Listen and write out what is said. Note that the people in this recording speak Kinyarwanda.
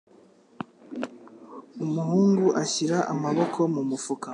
Umuhungu ashyira amaboko mu mufuka.